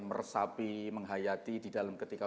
meresapi menghayati di dalam ketika